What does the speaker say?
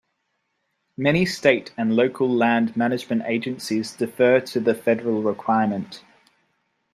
Many state and local land management agencies defer to the federal requirement.